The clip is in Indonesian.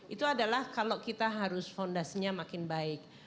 itu adalah kalau kita harus fondasinya makin baik